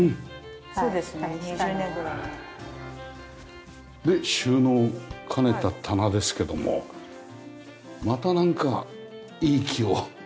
そうですね２０年ぐらい。で収納を兼ねた棚ですけどもまたなんかいい木を使ってらっしゃるというかね。